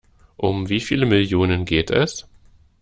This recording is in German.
Um wie viele Millionen geht es?